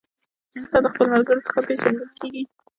انسان د خپلو ملګرو څخه پیژندل کیږي.